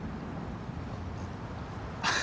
あっ。